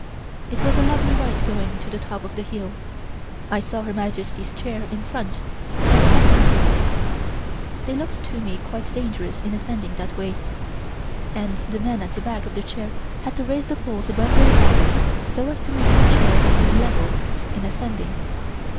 It was a lovely ride going to the top of the hill. I saw Her Majesty's chair in front, and the Young Empress'. They looked to me quite dangerous in ascending that way, and the men at the back of the chair had to raise the poles above their heads so as to make the chair the same level in ascending.